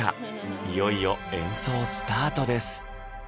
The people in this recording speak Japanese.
いよいよ演奏スタートです